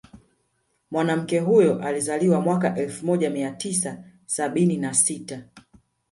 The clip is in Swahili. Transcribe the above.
Mwanamke huyo alizaliwa mwaka elfu moja mia tisa sabini na sita